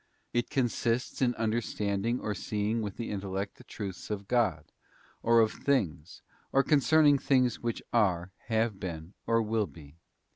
It consists in understanding or seeing with the intellect the truths of God, or of things, or concerning things which are, have been, or will be.